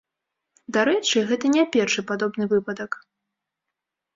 Дарэчы, гэта не першы падобны выпадак.